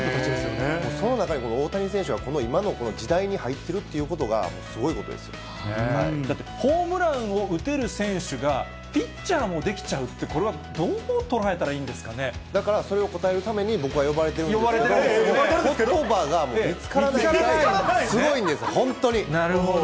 その中に大谷選手がこの今の時代に入ってるっていうことが、だってホームランを打てる選手がピッチャーもできちゃうって、これ、どう捉えたらいいんですかだからそれを答えるために、僕は呼ばれているんですけれども、ことばが見つからないぐらい強いなるほど。